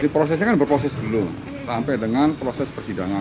prosesnya kan berproses dulu sampai dengan proses persidangan